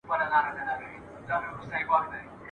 دا وروستی ګلاب د اوړي چي تنها ښکاریږي ښکلی ..